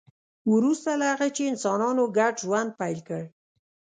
وروسته له هغه چې انسانانو ګډ ژوند پیل کړ